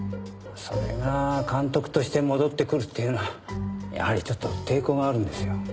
それが監督として戻ってくるというのはやはりちょっと抵抗があるんですよ。